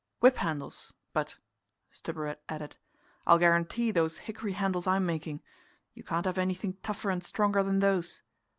"Whip handles; but," Stubberud added, "I'll guarantee those hickory handles I'm making. You can't have anything tougher and stronger than those."